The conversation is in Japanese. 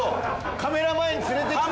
カメラ前に連れてきて。